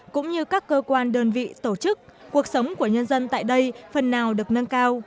cũng như các cơ quan đơn vị tổ chức cuộc sống của nhân dân tại đây phần nào được nâng cao